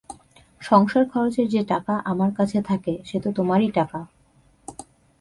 সংসারখরচের যে-টাকা আমার কাছে থাকে, সে তো তোমারই টাকা।